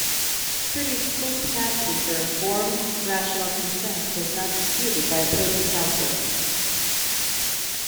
Pretty's full capacity for informed, rational consent was not disputed by opposing counsel.